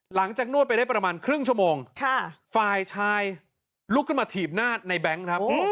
นวดไปได้ประมาณครึ่งชั่วโมงฝ่ายชายลุกขึ้นมาถีบหน้าในแบงค์ครับ